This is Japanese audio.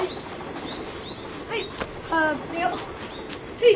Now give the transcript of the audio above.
はい。